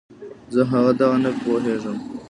زه هغه دغه نه پوهېږم.